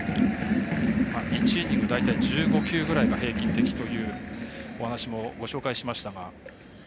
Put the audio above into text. １イニング、大体１５球ぐらいが平均的というお話もご紹介しましたが。